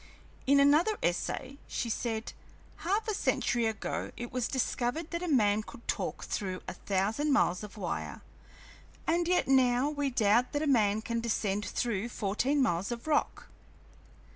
In another essay she said: "Half a century ago it was discovered that a man could talk through a thousand miles of wire, and yet now we doubt that a man can descend through fourteen miles of rock."